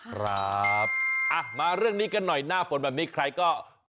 ครับอ่ะมาเรื่องนี้กันหน่อยหน้าฝนแบบนี้ใครก็